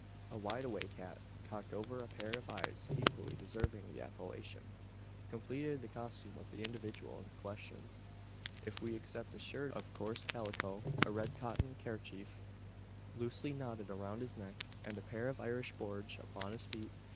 A "wide awake" hat, cocked over a pair of eyes equally deserving the appellation, completed the costume of the individual in question if we except a shirt of coarse calico, a red cotton kerchief loosely knotted around his neck, and a pair of Irish brogues upon his feet.